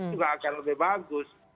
juga akan lebih bagus